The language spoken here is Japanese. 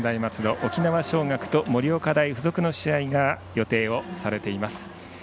沖縄尚学と盛岡大付属の試合が予定されています。